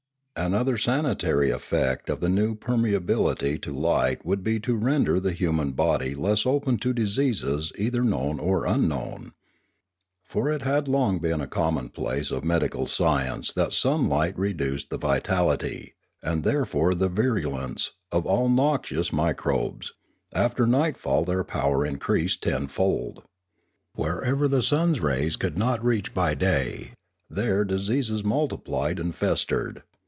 Another sanitary effect of the new permeability to light would be to render the human body less open to diseases either known or unknown. For it had long Pioneering r 463 been a commonplace of medical science that sunlight reduced the vitality, aud therefore the virulence, of all noxious microbes; after nightfall their power increased tenfold. Wherever the sun's rays could not reach by day, there diseases multiplied and festered.